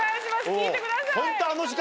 聞いてください。